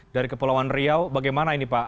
dari kepulauan riau bagaimana ini pak